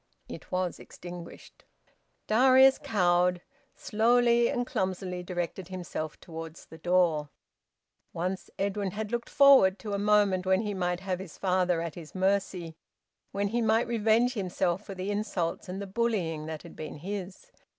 It was extinguished. Darius, cowed, slowly and clumsily directed himself towards the door. Once Edwin had looked forward to a moment when he might have his father at his mercy, when he might revenge himself for the insults and the bullying that had been his.